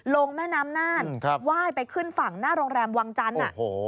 แม่น้ำน่านไหว้ไปขึ้นฝั่งหน้าโรงแรมวังจันทร์